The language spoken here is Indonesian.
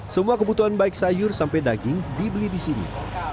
semua kebutuhan baik sayur sampai daging dibeli di sini